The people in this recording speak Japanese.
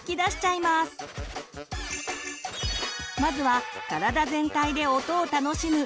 まずは体全体で音を楽しむ